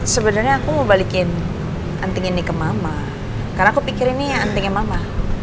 sebenernya aku mau balikin anting ini ke mama karena aku pikir ini antingnya mama